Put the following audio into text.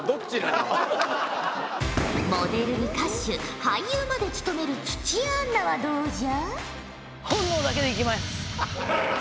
モデルに歌手俳優までつとめる土屋アンナはどうじゃ？